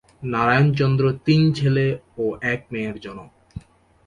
নারায়ন চন্দ্র চন্দ তিন ছেলে ও এক মেয়ের জনক।